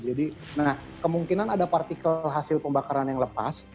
jadi kemungkinan ada partikel hasil pembakaran yang lepas